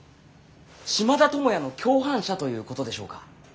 島田友也の共犯者ということでしょうか？